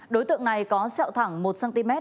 đối tượng này có sẹo thẳng một cm